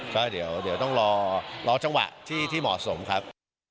ก็เดี๋ยวต้องรอจังหวะที่เหมาะสมครับ